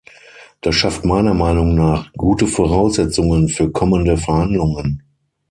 Das schafft meiner Meinung nach gute Voraussetzungen für kommende Verhandlungen.